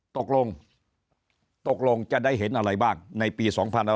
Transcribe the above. ตกลงจะได้เห็นอะไรบ้างในปี๒๖๖๐